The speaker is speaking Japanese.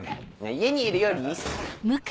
家にいるよりいいっすから。